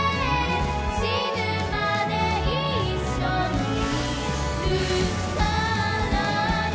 「しぬまでいっしょにいるからね」